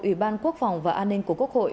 ủy ban quốc phòng và an ninh của quốc hội